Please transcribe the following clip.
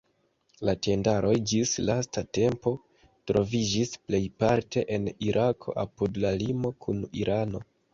La tendaroj ĝis lasta tempo troviĝis plejparte en Irako, apud la limo kun Irano.